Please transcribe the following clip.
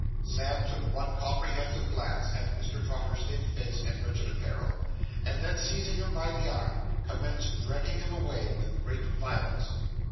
Sam took one comprehensive glance at Mr. Trotter's thin face and wretched apparel; and then, seizing him by the arm, commenced dragging him away with great violence.